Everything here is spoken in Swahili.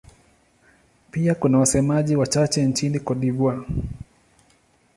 Pia kuna wasemaji wachache nchini Cote d'Ivoire.